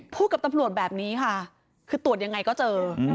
กับตำรวจแบบนี้ค่ะคือตรวจยังไงก็เจอ